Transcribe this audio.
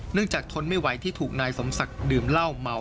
จากทนไม่ไหวที่ถูกนายสมศักดิ์ดื่มเหล้าเมา